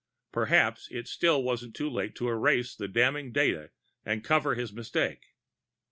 Perhaps it still wasn't too late to erase the damning data and cover his mistake.